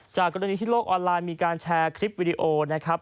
กรณีที่โลกออนไลน์มีการแชร์คลิปวิดีโอนะครับ